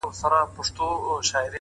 په عزت په شرافت باندي پوهېږي ـ